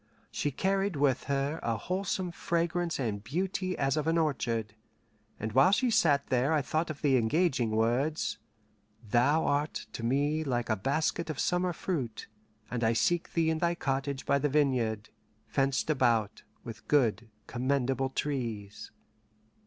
She carried with her a wholesome fragrance and beauty as of an orchard, and while she sat there I thought of the engaging words: "Thou art to me like a basket of summer fruit, and I seek thee in thy cottage by the vineyard, fenced about with good commendable trees."